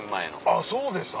あっそうでした？